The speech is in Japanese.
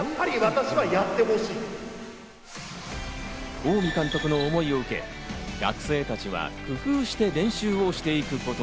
大海監督の思いを受け、学生たちは工夫して練習を重ねていく。